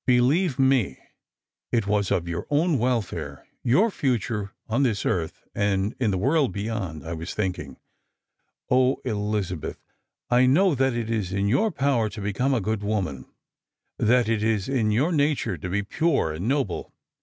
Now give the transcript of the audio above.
Believe me, it was of your own welfare, your future on this earth and in the world beyond, I was thinking. Elizabeth, I know that it is in your power to become a good woman ; that it is in your nature to be pure and noble.